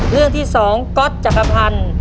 เรื่องที่๒ก๊อตจักรพันธ์